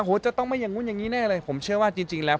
โอ้โหจะต้องไม่อย่างนู้นอย่างนี้แน่เลยผมเชื่อว่าจริงแล้ว